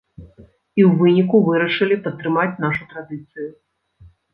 І ў выніку вырашылі падтрымаць нашу традыцыю.